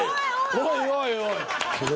お前おいおい！